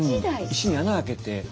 石に穴開けて。